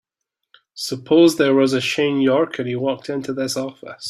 Suppose there was a Shane York and he walked into this office.